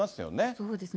そうですね。